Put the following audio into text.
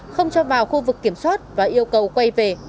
không cho vào khu vực kiểm soát và yêu cầu quay về